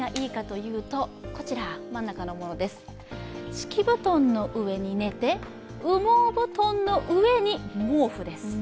敷布団の上に寝て、羽毛布団の上に毛布です。